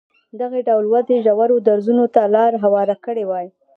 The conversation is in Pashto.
دغې ډول ودې ژورو درزونو ته لار هواره کړې وای.